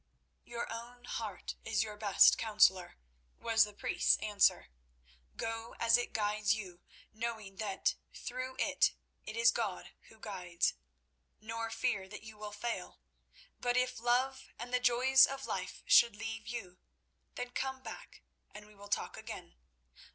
"Your own heart is your best counsellor," was the priest's answer. "Go as it guides you, knowing that, through it, it is God who guides. Nor fear that you will fail. But if love and the joys of life should leave you, then come back, and we will talk again.